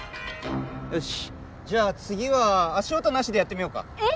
よしじゃ次は足音なしでやってみようかえっ！？